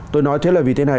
tôi nói thế là vì thế này